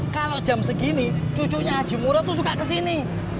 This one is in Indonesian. kalau jam segini cucunya haji muro itu suka kesini